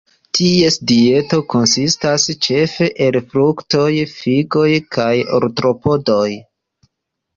Ties dieto konsistas ĉefe el fruktoj, figoj kaj artropodoj.